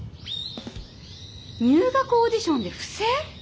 入学オーディションで不正？